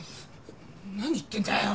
何言ってんだよ。